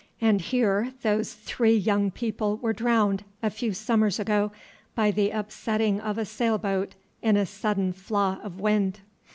And here those three young people were drowned, a few summers ago, by the upsetting of a sail boat in a sudden flaw of wind.